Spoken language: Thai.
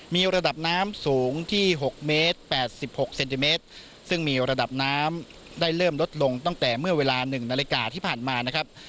มีระดับน้ำสูงที่๖เมตร๘๖เซนติเมตรซึ่งมีระดับน้ำได้เริ่มลดลงตั้งแต่เมื่อเวลา๑นาฬิกาที่ผ่านมานะครับ